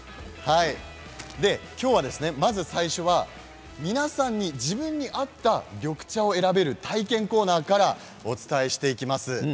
今日は、最初は皆さんに自分に合った緑茶を選べる体験コーナーからお伝えしていきます。